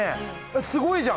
すごいじゃん。